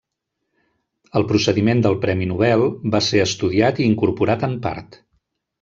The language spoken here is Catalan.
El procediment del premi Nobel va ser estudiat i incorporat en part.